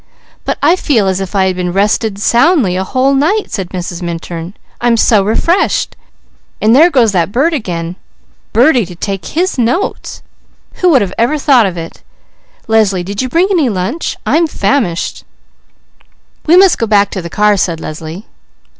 "But I feel as if I had rested soundly a whole night," said Mrs. Minturn. "I'm so refreshed. And there goes that bird again. Verdi to take his notes! Who ever would have thought of it? Leslie, did you bring any lunch? I'm famished." "We must go back to the car," said Leslie.